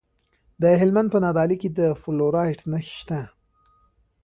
د هلمند په نادعلي کې د فلورایټ نښې شته.